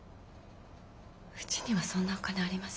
うちにはそんなお金ありません。